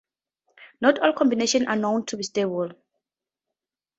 Not all combinations are known to be stable.